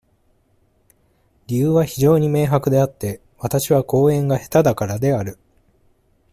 理由は非常に明白であって、私は講演が下手だからである。